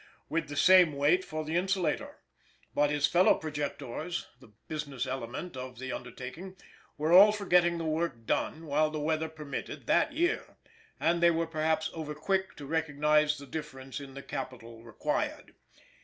with the same weight for the insulator; but his fellow projectors (the business element of the undertaking) were all for getting the work done, while the weather permitted, that year; and they were perhaps overquick to recognize the difference in the capital required.